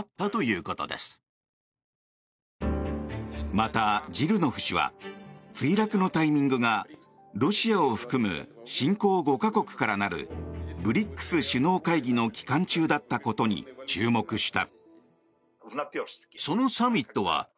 また、ジルノフ氏は墜落のタイミングがロシアを含む新興５か国から成るＢＲＩＣＳ首脳会議の期間中だったことに注目した。